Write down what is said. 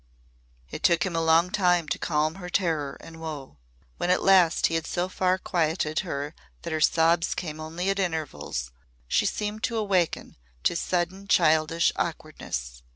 It took him a long time to calm her terror and woe. When at last he had so far quieted her that her sobs came only at intervals she seemed to awaken to sudden childish awkwardness.